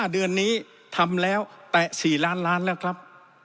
เดือนนี้ทำแล้วแตะ๔ล้านล้านแล้วครับ